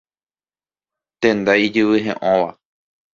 Tenda ijyvy he'õva.